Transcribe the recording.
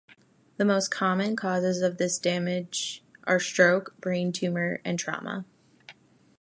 The most common causes of this damage are stroke, brain tumor, and trauma.